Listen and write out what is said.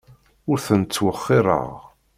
Ur tent-ttwexxireɣ.